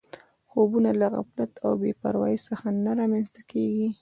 خوبونه له غفلت او بې پروایۍ څخه نه رامنځته کېږي